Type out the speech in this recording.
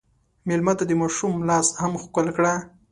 مېلمه ته د ماشوم لاس هم ښکل کړه.